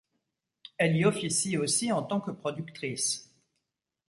Elle y officie aussi en tant que productrice.